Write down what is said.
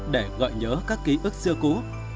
để gợi nhớ các ký ức xưa cũ